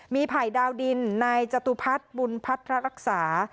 มีภัยดาวดินนายจตุพัฒน์บุญพัฒระรักษา